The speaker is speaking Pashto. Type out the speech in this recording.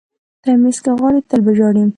ـ تميز که غواړئ تل به ژاړئ.